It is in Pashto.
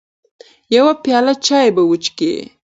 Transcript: يوه پياله چاى به وچکې .